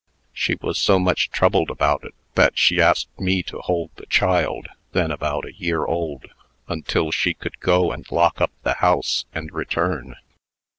She was so much troubled about it, that she asked me to hold the child then about a year old until she could go and lock up the house, and return.